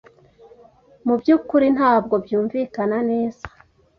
mu by'ukuri ntabwo byumvikana neza